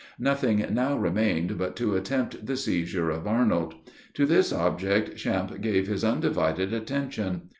Nothing now remained but to attempt the seizure of Arnold. To this object Champe gave his undivided attention.